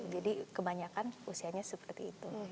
jadi kebanyakan usianya seperti itu